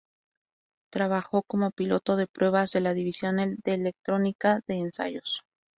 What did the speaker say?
Trabajó como piloto de pruebas de la División de Electrónica de Ensayos.